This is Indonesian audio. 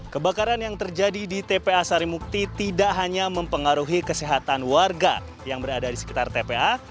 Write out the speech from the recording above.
kebakaran yang terjadi di tpa sarimukti tidak hanya mempengaruhi kesehatan warga yang berada di sekitar tpa